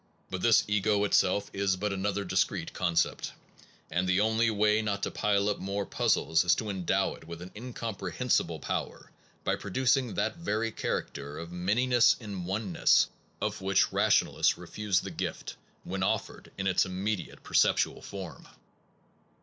But this ego itself is but another discrete con cept; and the only way not to pile up more puzzles is to endow it with an incomprehensi ble power of producing that very character of manyness in oneness of which rationalists re fuse the gift when offered in its immediate per ceptual form.